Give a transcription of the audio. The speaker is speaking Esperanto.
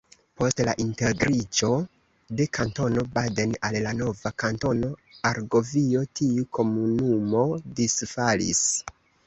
Post la integriĝo de Kantono Baden al la nova Kantono Argovio, tiu komunumo disfalis.